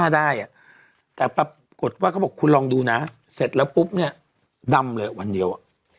ได้อ่ะแต่ปรากฏว่าเขาบอกคุณลองดูนะเสร็จแล้วปุ๊บเนี่ยดำเลยวันเดียวอ่ะ